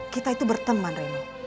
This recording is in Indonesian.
kita itu berteman reno